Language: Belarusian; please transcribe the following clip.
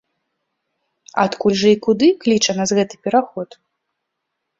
Адкуль жа і куды кліча нас гэты пераход?